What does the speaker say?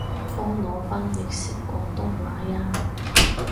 幫我翻譯成廣東話吖